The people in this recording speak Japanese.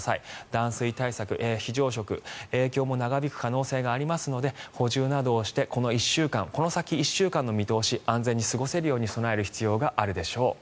断水対策、非常食影響も長引く可能性がありますので補充などをしてこの先１週間の見通し安全に過ごせるように備える必要があるでしょう。